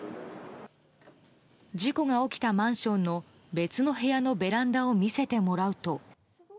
事故が起きたマンションの別の部屋のベランダを見せてもらうと。